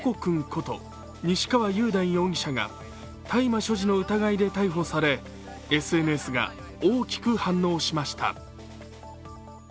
こと西川雄大容疑者が大麻所持の疑いで逮捕され、ＳＮＳが大きく反応しました。